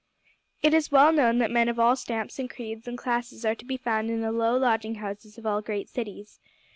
It is well known that men of all stamps and creeds and classes are to be found in the low lodging houses of all great cities.